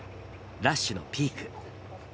ラッシュのピーク。